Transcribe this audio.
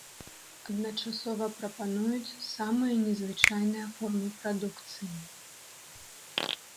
Адначасова прапануюцца самыя незвычайныя формы прадукцыі.